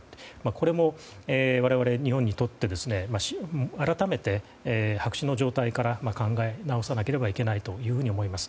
これも我々日本にとって改めて白紙の状態から考え直さないといけないと思います。